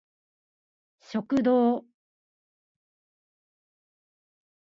食堂